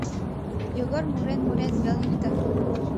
Йогор мурен-мурен вел йӱкта.